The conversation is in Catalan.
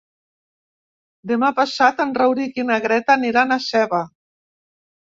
Demà passat en Rauric i na Greta aniran a Seva.